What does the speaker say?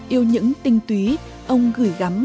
yêu những tinh túy ông gửi gắm